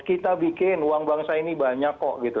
kita bikin uang bangsa ini banyak kok gitu